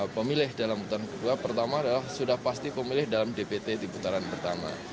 pemilih dalam putaran kedua pertama adalah sudah pasti pemilih dalam dpt di putaran pertama